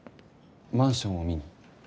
マンションを見に？